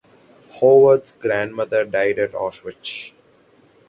Howard's grandmother died at Auschwitz.